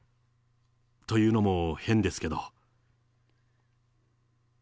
というのも変ですけど。